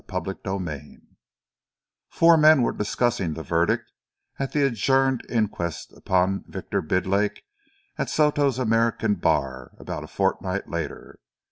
CHAPTER XIII Four men were discussing the verdict at the adjourned inquest upon Victor Bidlake, at Soto's American Bar about a fortnight later.